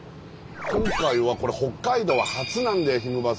今回はこれ北海道は初なんだよ「ひむバス！」は。